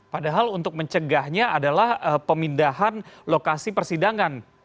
padahal untuk mencegahnya adalah pemindahan lokasi persidangan